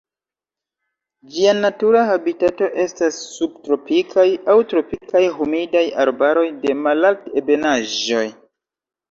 Ĝia natura habitato estas subtropikaj aŭ tropikaj humidaj arbaroj de malalt-ebenaĵoj.